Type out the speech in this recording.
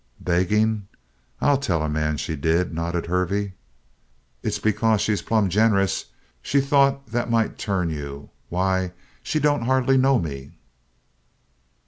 "Begging? I'll tell a man she did!" nodded Hervey. "It's because she's plumb generous. She thought that might turn you. Why she don't hardly know me!"